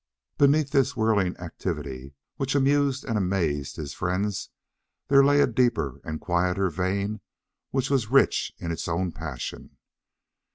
But beneath this whirling activity which amused and amazed his friends there lay a deeper and quieter vein which was rich in its own passion.